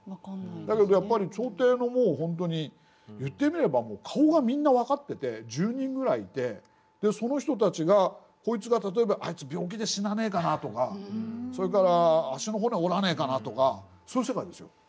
だけどやっぱり朝廷のもう本当に言ってみればもう顔がみんな分かってて１０人ぐらいいてその人たちがこいつが例えば「あいつ病気で死なねえかな」とかそれから「足の骨折らねえかな」とかそういう世界ですよ。